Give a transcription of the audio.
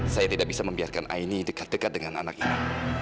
saya tidak bisa membiarkan aini dekat dekat dengan anaknya